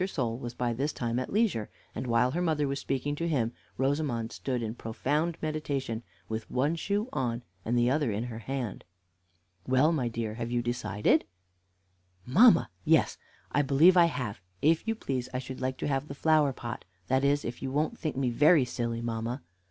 Sole was by this time at leisure, and while her mother was speaking to him, Rosamond stood in profound meditation, with one shoe on, and the other in her hand. "Well, my dear, have you decided?" "Mamma! yes, I believe I have. If you please, I should like to have the flower pot; that is, if you won't think me very silly, mamma."